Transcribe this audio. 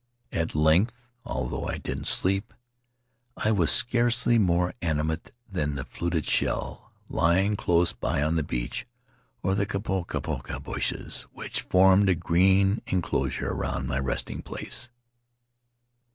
At length, although I didn't sleep, I was scarcely more animate then the fluted shell lying close by on the beach or the kopapa bushes which formed a green inclosure around my resting place.